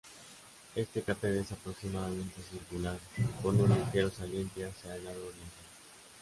Este cráter es aproximadamente circular, con un ligero saliente hacia el lado oriental.